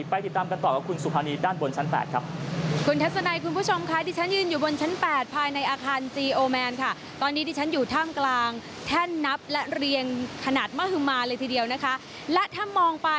ติดตามกันต่อกับคุณสุภานีด้านบนชั้น๘ครับ